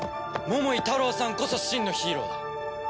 桃井タロウさんこそ真のヒーローだ。